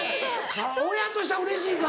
親としてはうれしいか。